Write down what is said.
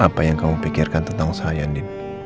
apa yang kamu pikirkan tentang saya andin